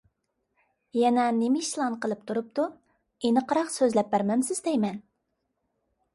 يەنە نېمە ئىشلارنى قىلىپ تۇرۇپتۇ؟ ئېنىقراق سۆزلەپ بەرمەمسىز دەيمەن!